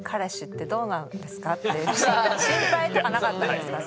心配とかなかったですか